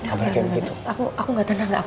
udah udah udah aku gak tenang